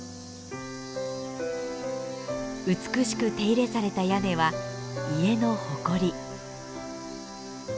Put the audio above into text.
美しく手入れされた屋根は家の誇り。